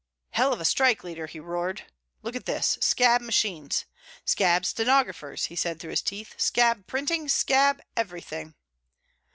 "A hell of a strike leader," he roared. "Look at this. Scab machines! "Scab stenographers!" he said through his teeth. "Scab printing! Scab everything!"